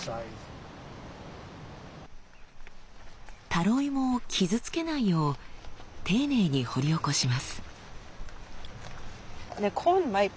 タロイモを傷つけないよう丁寧に掘り起こします。